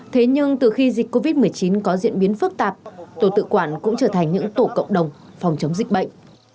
thế nhưng từ khi dịch covid một mươi chín có diễn biến phức tạp tổ tự quản cũng trở thành những tổ cộng đồng phòng chống dịch bệnh